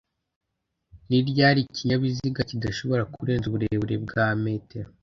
Niryari ikinyabiziga kidashobora kurenza uburebure bwa m